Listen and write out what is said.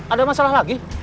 ada masalah lagi